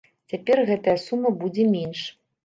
Цяпер гэтая сума будзе менш.